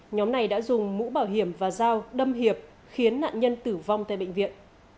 nhóm này đã dùng mũ bảo hiểm và dao đâm hiệp khiến nạn nhân tử vong tại bệnh viện